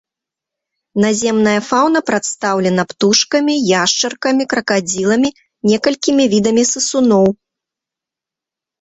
Наземная фаўна прадстаўлена птушкамі, яшчаркамі, кракадзіламі, некалькімі відамі сысуноў.